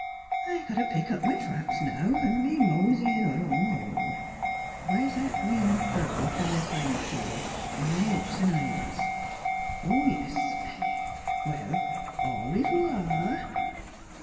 ... I gotta pick up my traps now an' be mosey in' along home. Where's that green an' purple fer Mis' Henshaw 'n' them hooks V eyes? Oh, yes. Well, ory vwaw!